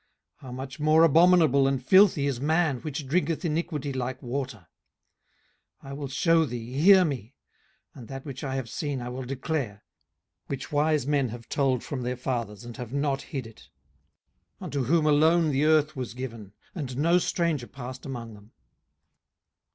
18:015:016 How much more abominable and filthy is man, which drinketh iniquity like water? 18:015:017 I will shew thee, hear me; and that which I have seen I will declare; 18:015:018 Which wise men have told from their fathers, and have not hid it: 18:015:019 Unto whom alone the earth was given, and no stranger passed among them.